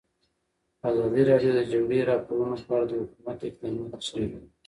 ازادي راډیو د د جګړې راپورونه په اړه د حکومت اقدامات تشریح کړي.